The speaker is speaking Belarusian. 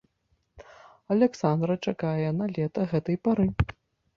Аляксандра чакае налета гэтай пары.